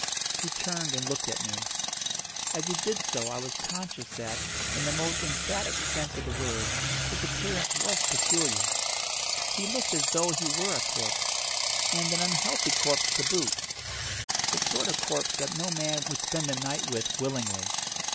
He turned and looked at me. As he did so I was conscious that, in the most emphatic sense of the word, his appearance was peculiar. He looked as though he were a corpse, and an unhealthy corpse to boot the sort of corpse that no man would spend a night with willingly.